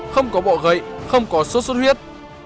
không có bọ gậy không có sốt sốt huyết